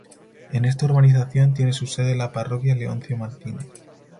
En esta urbanización tiene su sede la Parroquia Leoncio Martínez.